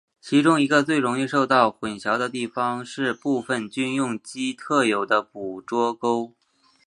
其中一个最容易受到混淆的地方是部份军用机特有的捕捉勾。